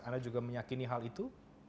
anda juga meyakini hal itu